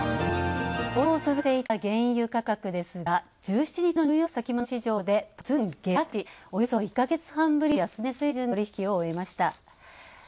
高騰を続けていた原油価格ですが１７日のニューヨーク先物市場で突然、下落し、およそ１か月半ぶりの安値水準で取引を終えました。